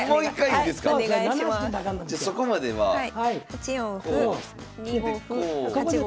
８四歩２五歩８五歩。